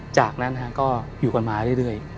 จากนั้นก็อยู่กันมาเรื่อย